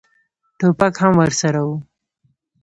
ټوپک هم ورسره و.